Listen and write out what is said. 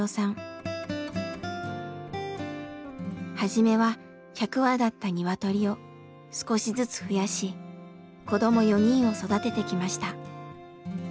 初めは１００羽だった鶏を少しずつふやし子ども４人を育ててきました。